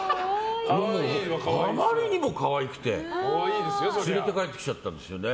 あまりにも可愛くて連れて帰ってきちゃったんです。